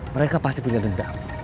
mereka pasti punya dendam